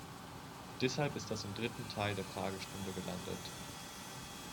Deshalb ist das im dritten Teil der Fragestunde gelandet.